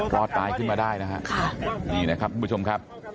รอดตายขึ้นมาได้นะฮะนี่นะครับทุกผู้ชมครับ